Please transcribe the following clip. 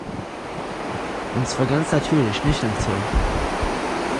Und zwar ganz natürlich, nicht im Zoo.